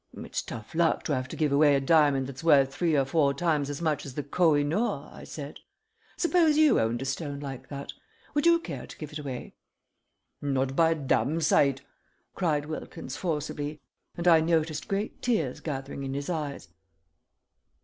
"It's tough luck to have to give away a diamond that's worth three or four times as much as the Koh i noor," I said. "Suppose you owned a stone like that. Would you care to give it away?" "Not by a damn sight!" cried Wilkins, forcibly, and I noticed great tears gathering in his eyes.